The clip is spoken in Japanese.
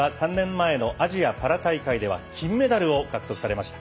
久保さんは３年前のアジア、パラ大会では金メダルを獲得されました。